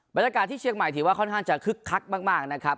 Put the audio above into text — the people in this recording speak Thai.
บรรยากาศที่เชียงใหม่ถือว่าค่อนข้างจะคึกคักมากนะครับ